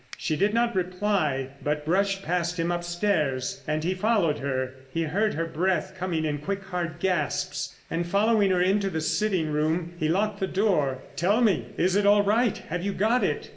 She did not reply, but brushed past him upstairs and he followed her. He heard her breath coming in quick, hard gasps, and following her into the sitting room he locked the door. "Tell me, is it all right, have you got it?"